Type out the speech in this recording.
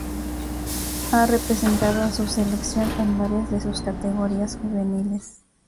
Ha representado a su selección en varias de sus categorías juveniles.